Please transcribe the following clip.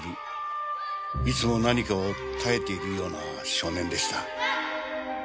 いつも何かを耐えているような少年でした。